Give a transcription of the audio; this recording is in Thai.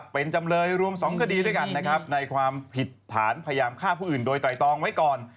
เป็นจำเลยรวม๒คดีด้วยกันนะครับในความผิดฐานพยายามฆ่าผู้อื่นโดยไตรตองไว้ก่อน